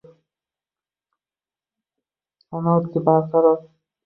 Qanoatki barqaror